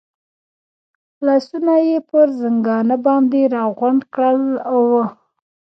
لاسونه یې پر زنګانه باندې را غونډ کړل، اوه.